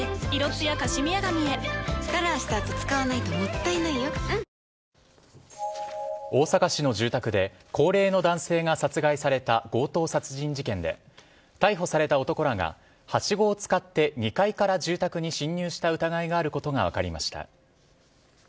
中国が南京大虐殺の文書を大阪市の住宅で高齢の男性が殺害された強盗殺人事件で逮捕された男らがはしごを使って２階から住宅に侵入した疑いがあることが分かりました。